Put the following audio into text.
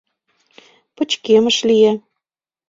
Пычкемыш лие.